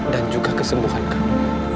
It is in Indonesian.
dan juga kesembuhan kamu